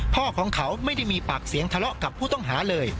พ่อของเขาไม่ได้มีปากเสียงทะเลาะกับผู้ต้องหาเลย